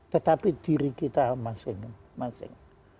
tetapi diri kita masing masing